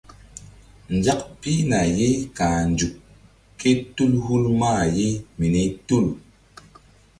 Nzak pihna ye ka̧h nzuk kétul hul mah ye mini tul.